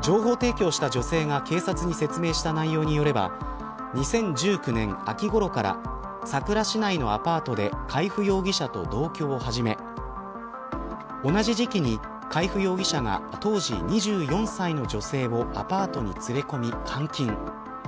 情報提供した女性が警察に説明した内容によれば２０１９年秋ごろからさくら市内のアパートで海部容疑者と同居を始め同じ時期に、海部容疑者が当時２４歳の女性をアパートに連れ込み、監禁。